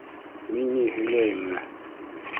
— Мин ни һөйләйемме?..